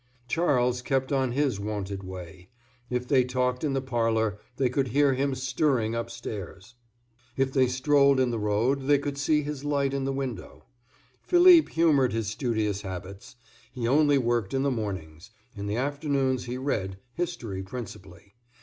Charles kept on his wonted way; if they talked in the parlor, they could hear him stirring upstairs; if they strolled in the road, they could see his light in the window. Philippe humored his studious habits; he only worked in the mornings; in the afternoons he read, history principally.